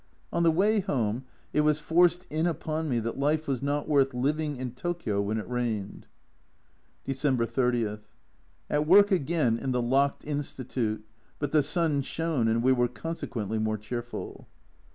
On the way home it was forced in upon me that life was not worth living in Tokio when it rained. December 30. At work again in the locked Insti tute, but the sun shone and we were consequently more cheerful.